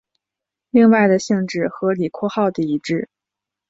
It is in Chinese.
另外的性质和李括号的一致。